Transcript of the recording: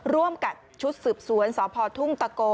ร่วมกับชุดสืบสวนสพทุ่งตะโก